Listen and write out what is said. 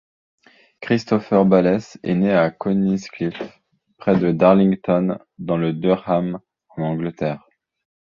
Christopher Bales est né à Coniscliffe, près de Darlington dans le Durham en Angleterre.